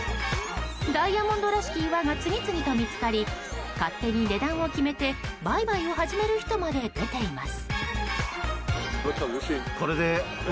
ダイヤモンドらしき岩が次々と見つかり勝手に値段を決めて売買を始める人まで出ています。